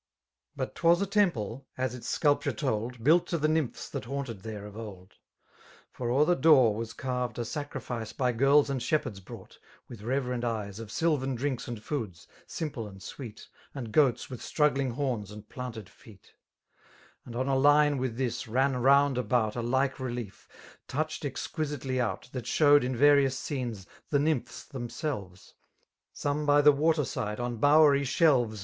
But 'twas a temple, as its aeulptnre told. Built to the Nymphs that haunted there of old ) For o*er the door was carved a sacrifioe By girls and shepherds brought, with reverend eyes. Of sylvan drinks and foods, simple and sweet. And goats with struggling horns and planted feet> And on a line with this ran round about A like relief, touched exquisitely out. That shewed, in various scenes, the nymphs them*^ selves $ Some by the water side on bowery shelves